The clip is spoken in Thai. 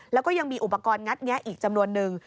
แล้วก็ยังมีอุปกรณ์งัดแงะอีกจำนวนนึง